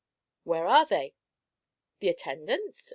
'Where are they?' 'The attendants?'